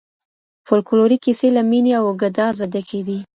فولکلوري کیسې له مینې او ګدازه ډکي دي.